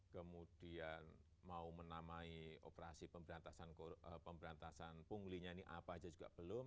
kemudian mau menamai operasi pemberantasan punglinya ini apa aja juga belum